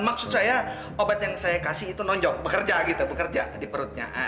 maksud saya obat yang saya kasih itu nonjok bekerja gitu bekerja di perutnya